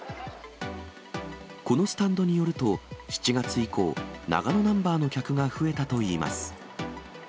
このスタンドによると、７月以降、長野ナンバーの客が増えたといいます。